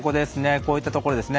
こういったところですね。